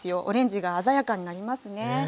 オレンジが鮮やかになりますね。